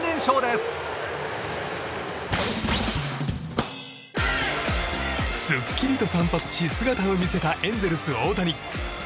すっきりと散髪し姿を見せたエンゼルス大谷。